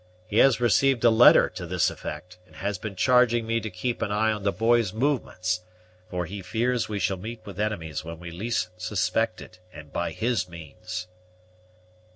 He has received a letter to this effect, and has been charging me to keep an eye on the boy's movements; for he fears we shall meet with enemies when we least suspect it, and by his means."